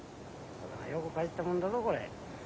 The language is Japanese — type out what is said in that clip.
よくかじったもんだぞこれ。